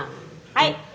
はい。